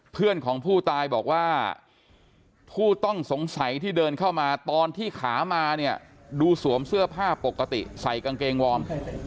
เพื่อนของผู้ตายบอกว่าผู้ต้องสงสัยที่เดินเข้ามาตอนที่ขามาเนี่ยดูสวมเสื้อผ้าปกติใส่กางเกงวอร์ม